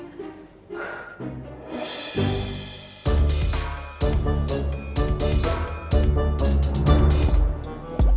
operasinya gitu gak biro ki